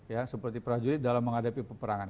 ya seperti prajurit dalam menghadapi peperangan